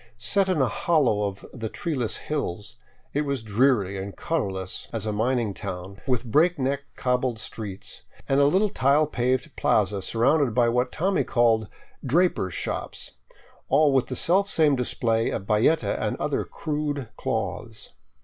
Set in a hollow of the treeless hills, it was dreary and colorless as a mining town, with breakneck cobbled streets, and a little tile paved plaza surrounded by what Tommy called drapers' shops," all with the selfsame display of bayeta and other crude colored cloths.